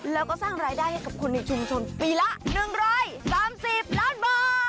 แล้วก็สร้างรายได้ให้กับคนในชุมชนปีละ๑๓๐ล้านบาท